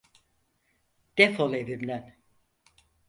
Defol evimden!